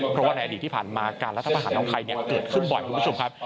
เพราะว่าในอดีตที่ผ่านมาการรัฐประหารของไทยเกิดขึ้นบ่อยคุณผู้ชมครับ